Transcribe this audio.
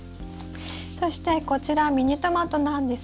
そしてこちらミニトマトなんですが。